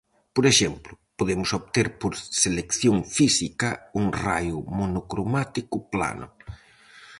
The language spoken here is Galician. Por exemplo, podemos obter por selección física un raio monocromático plano.